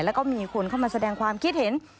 แล้วก็มีคนเข้ามาแสดงความคิดเห็น